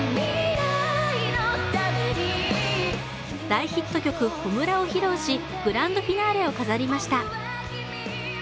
大ヒット曲「炎」を披露しグランドフィナーレを飾りました。